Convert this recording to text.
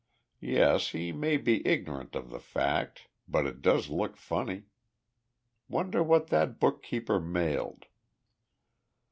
Yes, he may be ignorant of the fact but it does look funny. Wonder what that bookkeeper mailed?"